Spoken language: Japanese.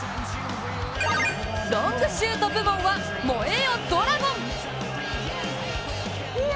ロングシュート部門は、燃えよドラゴン！